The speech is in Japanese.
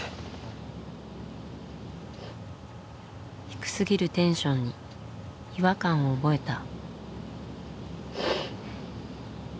低すぎるテンションに違和感を覚えた。